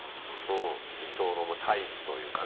うん理想のタイプというかね。